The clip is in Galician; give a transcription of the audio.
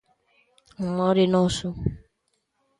O mar é noso!